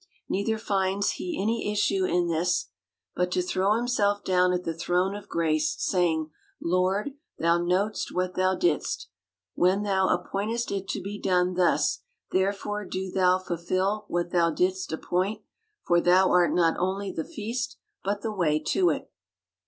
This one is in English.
Neither finds he any issue in this, but to throw himself down at the throne of grace, saying, " Lord, thou knowest what thou didst, when thou appointedst it to be done thus ; therefore do thou fulfil what thou didst appoint: for thou art not only the feast, but the way to it."